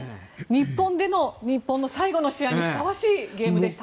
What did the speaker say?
日本での日本の最後の試合にふさわしいゲームでした。